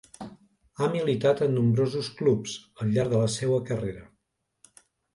Ha militat en nombrosos clubs al llarg de la seua carrera.